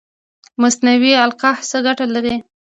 مصنوعي القاح څه ګټه لري؟